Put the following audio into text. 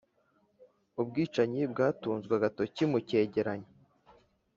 ubwicanyi bwatunzwe agatoki mu cyegeranyo